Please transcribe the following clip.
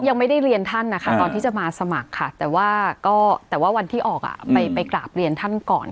ยังไม่ได้เรียนท่านนะคะตอนที่จะมาสมัครค่ะแต่ว่าก็แต่ว่าวันที่ออกไปกราบเรียนท่านก่อน